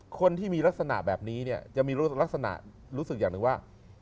คนที่มีลักษณะแบบนี้เนี่ยจะมีลักษณะรู้สึกอย่างหนึ่งว่า